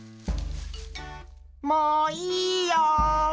もういいよ。